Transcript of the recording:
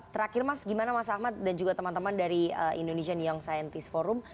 terakhir mas gimana mas ahmad dan juga teman teman dari indonesian young scientist forum